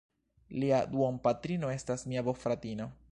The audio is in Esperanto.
Lia duonpatrino estas mia bofratino.